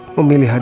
sekali lagi ya pak